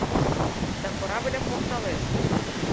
Да корабльым покталеш;